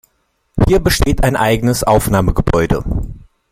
Hier besteht ein eigenes Aufnahmegebäude.